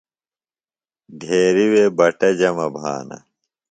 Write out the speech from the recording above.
ڈھیریۡ وے بٹہ جمہ بھانہ۔